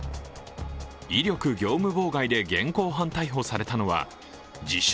威力業務妨害で現行犯逮捕されたのは自称